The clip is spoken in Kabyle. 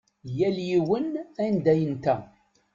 Yal yiwen anda yenta.